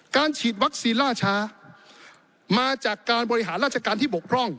ฉีดวัคซีนล่าช้ามาจากการบริหารราชการที่บกพร่อง